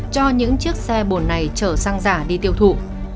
cho những chiếc xe bồn này chở xăng giả đi tiêu thụ